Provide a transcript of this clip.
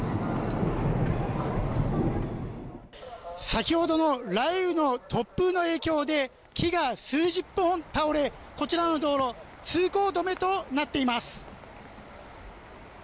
先ほどの雷雨の、突風の影響で木が数十本倒れ、こちらの道路通行止めとなっています。